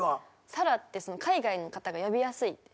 紗来って海外の方が呼びやすい。